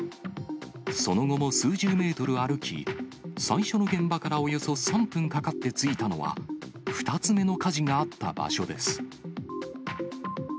その後も数十メートル歩き、最初の現場からおよそ３分かかって着いたのは、２つ目の火事があった場所です。